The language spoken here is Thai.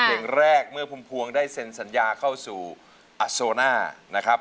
เพลงแรกเมื่อพุ่มพวงได้เซ็นสัญญาเข้าสู่อโซน่านะครับ